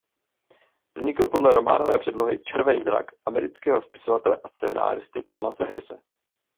Vznikl podle románové předlohy "Červený drak" amerického spisovatele a scenáristy Thomase Harrise.